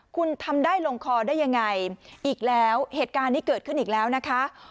คุณทำได้ลงคอได้ยังไงอีกแล้วเหตุการณ์นี้เกิดขึ้นอีกแล้วนะคะ